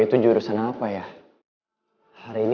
kenal lo kan